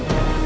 eh kak fani